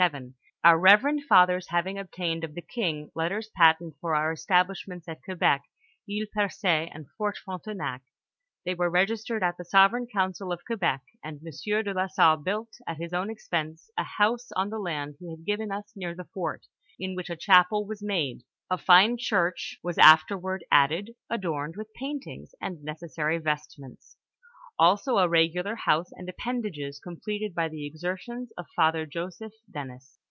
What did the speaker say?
" Our reverend fothers having obtained of the king letters patent for our estab lishments at Quebec, Isle Percee, and Fort Frontenac, they were registered at the sovereign council of Quebec, and Monsieur de la Salle built, at his own ex pense, a house on the land he had given us near the fort^ in which a chapel was niad& A fine church was afterward added, adorned with paintings and necessary vestments — also, a regular house and appendages, completed by the exertions of Father Joseph Denis."